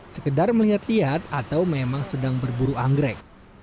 sekedar melihat lihat atau memang sedang berburu anggrek